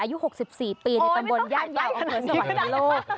อายุ๖๔ปีในตำบลยานยาวออกมาสวัสดิ์โลก